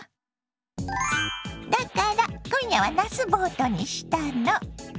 だから今夜はなすボートにしたの。